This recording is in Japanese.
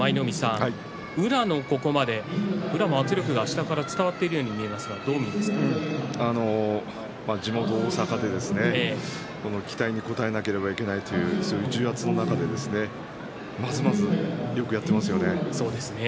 宇良のここまで、宇良も圧力が下から伝わっているように見えますが地元、大阪で期待に応えなければいけないという、そういう重圧の中でまずまず、よくやっていますよね。